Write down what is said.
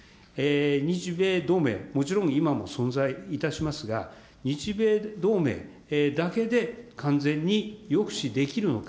日米同盟、もちろん今も存在いたしますが、日米同盟だけで、完全に抑止できるのか。